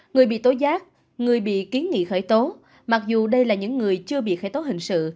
người bị tối giác người bị kiến nghị khởi tố mặc dù đây là những người chưa bị khởi tố hình sự